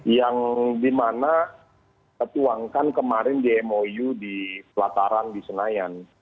yang dimana kita tuangkan kemarin di mou di pelataran di senayan